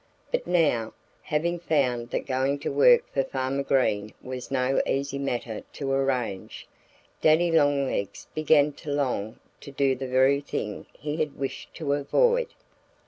But now, having found that going to work for Farmer Green was no easy matter to arrange, Daddy Longlegs began to long to do the very thing he had wished to avoid.